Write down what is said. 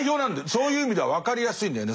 そういう意味では分かりやすいんだよね。